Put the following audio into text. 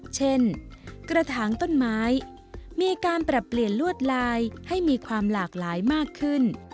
กระถางต้นไม้มีการปรับเปลี่ยนลวดลายให้มีความหลากหลายมากขึ้น